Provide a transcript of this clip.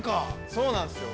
◆そうなんですよ。